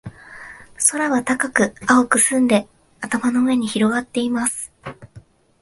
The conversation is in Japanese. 空は高く、青く澄んで、頭の上に広がっています。